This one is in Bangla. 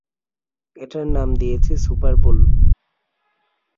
এটার নাম দিয়েছি সুপার বোল।